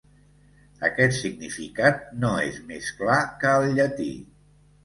Aquest significat no és més clar que el llatí.